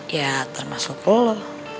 ya termasuk lo